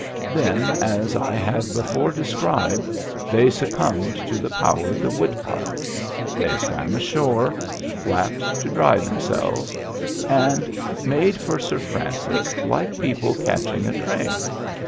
Then, as I have before described, they succumbed to the power at the woodpile. They swam ashore, flapped to dry themselves, and made for Sir Francis like people catching a train.